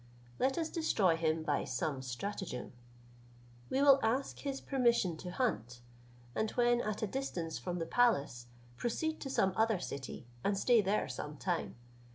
Let us destroy him by some stratagem. We will ask his permission to hunt, and when at a distance from the palace, proceed to some other city, and stay there some time.